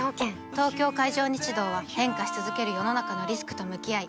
東京海上日動は変化し続ける世の中のリスクと向き合い